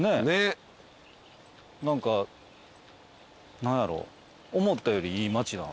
何か何やろ思ったよりいい街やな。